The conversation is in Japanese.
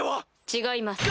違います。